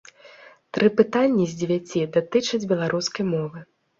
Тры пытанні з дзевяці датычаць беларускай мовы.